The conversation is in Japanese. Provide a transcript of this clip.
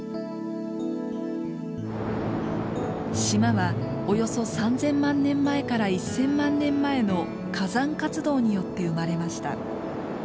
島はおよそ３，０００万年前から１，０００万年前の火山活動によって生まれました。